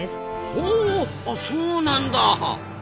ほうあそうなんだ！